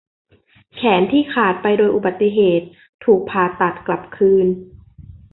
แขนที่ขาดไปโดยอุบัติเหตุถูกผ่าตัดกลับคืน